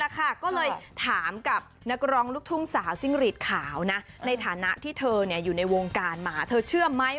กับนักรองลูกทุ่งสาวจิงรีดขาวนะในฐานะที่เธอเนี่ยอยู่ในวงการหมาเธอเชื่อไหม